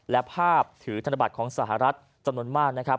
และภาพถือธนบัตรของสหรัฐจำนวนมากนะครับ